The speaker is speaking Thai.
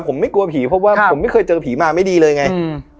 ผมไม่กลัวผีเพราะว่าผมไม่เคยเจอผีมาไม่ดีเลยไงอืม